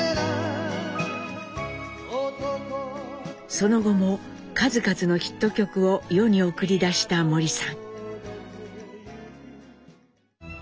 その後も数々のヒット曲を世に送り出した森さん。